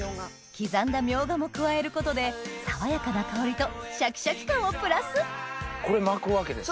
刻んだミョウガも加えることで爽やかな香りとシャキシャキ感をプラスこれ巻くわけですか？